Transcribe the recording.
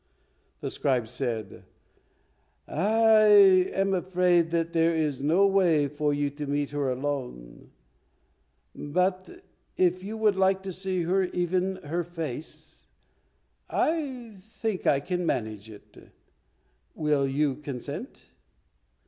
The scribe said, "I am afraid that there is no way for you to meet her alone, but if you would like to see even her face, I think I can manage it. Will you consent?"